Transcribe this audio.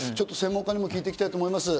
専門家に聞いていきたいと思